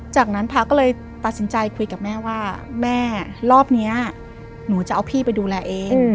จากนั้นพระก็เลยตัดสินใจคุยกับแม่ว่าแม่รอบนี้หนูจะเอาพี่ไปดูแลเอง